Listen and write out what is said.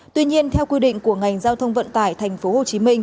tuy nhiên theo quy định của ngành giao thông vận tải tp hcm